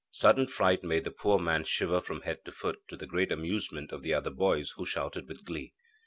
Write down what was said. Sudden fright made the poor man shiver from head to foot, to the great amusement of the other boys, who shouted with glee.